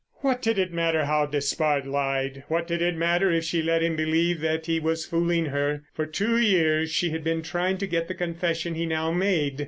What did it matter how Despard lied? What did it matter if she let him believe that he was fooling her? For two years she had been trying to get the confession he now made.